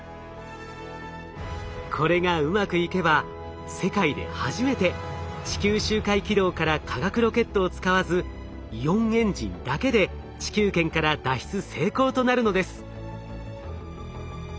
これがうまくいけば世界で初めて地球周回軌道から化学ロケットを使わずイオンエンジンだけで地球圏から脱出成功となるのです。